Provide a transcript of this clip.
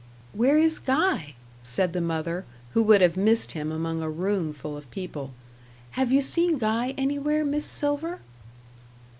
"Where is Guy?" said the mother, who would have missed him among a room full of people. "Have you seen Guy anywhere, Miss Silver?"